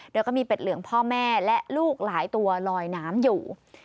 โดยก็มีเป็ดเหลืองพ่อแม่และลูกหลายตัวลอยน้ำอยู่